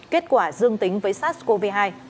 kết quả dương tính với sars cov hai